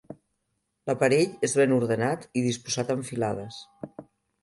L'aparell és ben ordenat i disposat en filades.